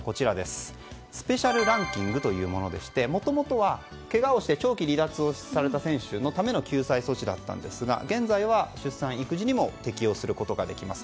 スペシャルランキングというものでしてもともとはけがをして長期離脱をされた選手のための救済措置だったんですが現在は出産・育児にも適用することができます。